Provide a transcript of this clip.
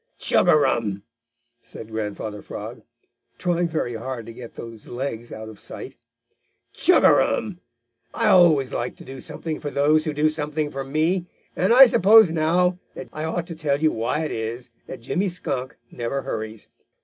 "Chug a rum!" said Grandfather Frog, trying very hard to get those legs out of sight. "Chug a rum! I always like to do something for those who do something for me, and I suppose now that I ought to tell you why it is that Jimmy Skunk never hurries.